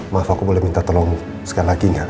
maaf aku boleh minta tolong sekali lagi nggak